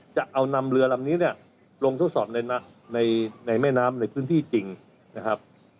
จะเอานำเรือลำนี้เนี่ยลงทดสอบในแม่น้ำในพื้นที่จริงนะครับ